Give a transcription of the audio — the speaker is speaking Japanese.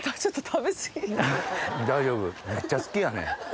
大丈夫めっちゃ好きやねん。